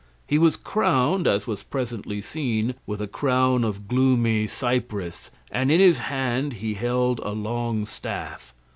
He was crowned (as was presently seen) with a crown of gloomy cypress, and in his hand he held a long staff.